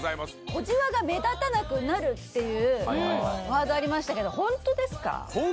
小じわが目立たなくなるっていうワードありましたけどホントですか？